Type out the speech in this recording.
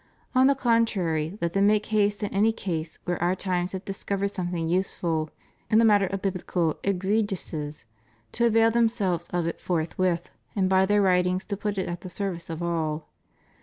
On the contrary, let them make haste in any case where our times have discovered something useful in the matter of biblical exegesis to avail themselves of it forthwith and by their writings to put it at the service of all.